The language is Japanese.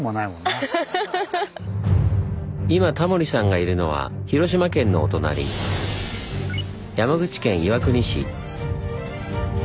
今タモリさんがいるのは広島県のお隣山口県岩国市。